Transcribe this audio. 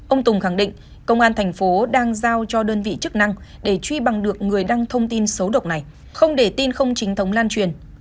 ông tùng khẳng định công an thành phố đang giao cho đơn vị chức năng để truy bằng được người đăng thông tin xấu độc này không để tin không chính thống lan truyền